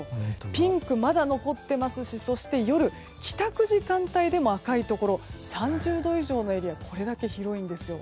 ピンクがまだ残っていますし夜、帰宅時間帯でも赤いところが３０度以上のエリアが、これだけ広いんです。